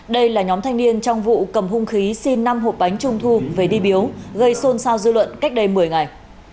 đây là nhóm thanh niên trong vụ cầm hung khí xin năm hộp bánh trung thu về đi biếu gây xôn xao dư luận cách đây một mươi ngày